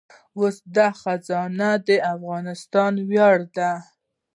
اوس دا خزانه د افغانستان ویاړ دی